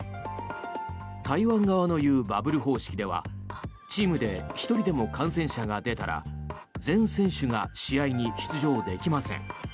台湾側の言うバブル方式ではチームで１人でも感染者が出たら全選手が試合に出場できません。